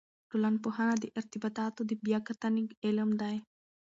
ټولنپوهنه د ارتباطاتو د بیا کتنې علم دی.